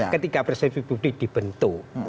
ketika persepsi publik dibentuk